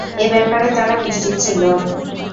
এ ব্যাপারে তারা নিশ্চিত ছিল।